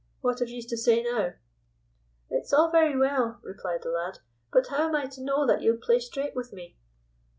What have you to say now?" "It's all very well," replied the lad, "but how am I to know that you'll play straight with me?"